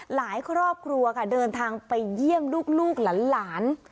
หลายครอบครัวเดินทางไปเยี่ยมลูกหลาน